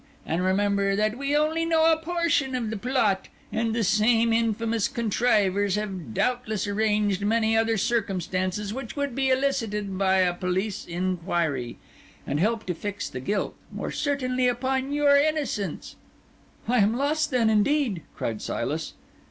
And remember that we only know a portion of the plot; and the same infamous contrivers have doubtless arranged many other circumstances which would be elicited by a police inquiry, and help to fix the guilt more certainly upon your innocence." "I am then lost, indeed!" cried Silas.